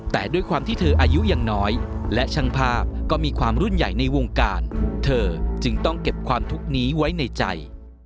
แต่ด้วยความที่เธออายุยังน้อยและช่างภาพก็มีความรุ่นใหญ่ในวงการเธอจึงต้องเก็บความทุกข์นี้ไว้ในใจ